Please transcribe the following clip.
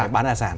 bán tài sản